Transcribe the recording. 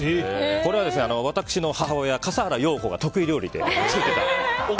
これは私の母親・笠原ヨウコが得意料理で作ってた。